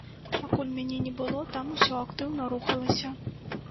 Пакуль мяне не было, там усё актыўна рухалася.